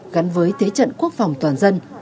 gắn với thế trận quốc phòng toàn dân